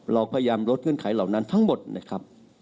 เราพยายามลดเงื่อนไขเหล่านั้นทั้งหมดนะครับ